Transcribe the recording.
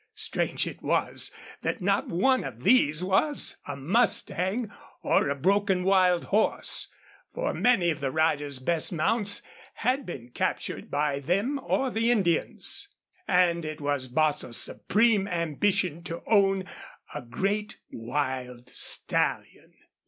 Strange it was that not one of these was a mustang or a broken wild horse, for many of the riders' best mounts had been captured by them or the Indians. And it was Bostil's supreme ambition to own a great wild stallion.